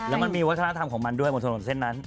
แล้วมันมีวัฒนธรรมของมันด้วยบนถนนเส้นนั้น